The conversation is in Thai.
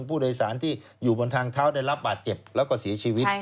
ผู้โดยสารที่อยู่บนทางเท้าได้รับบาดเจ็บแล้วก็เสียชีวิต